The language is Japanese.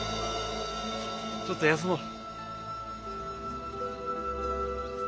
ちょっと休もう。